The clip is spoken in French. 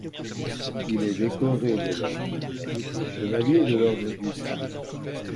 Il est décoré de l'ordre du mérite et chevalier de l'Ordre du Bain.